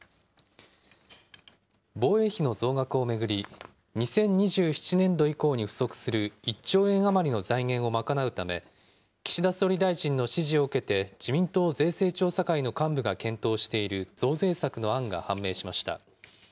防衛費の増額を巡り、２０２７年度以降に不足する１兆円余りの財源を賄うため、岸田総理大臣の指示を受けて自民党税制調査会の幹部が検討している増税策の案が判明しました。